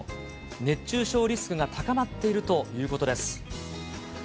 熱中症リスクが高まっているということです。